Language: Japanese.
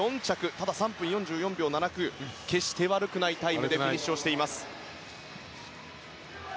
ただ、３分４４秒７９と決して悪くないタイムでフィニッシュしています。